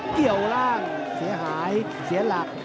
เกี่ยวร่างเสียหายเสียหลัก